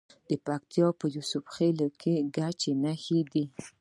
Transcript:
د پکتیکا په یوسف خیل کې د ګچ نښې شته.